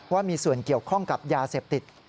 ว่ามีส่วนเกี่ยวข้องกับยาเสพติด